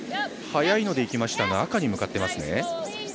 速いのでいきましたが赤に向かっていますね。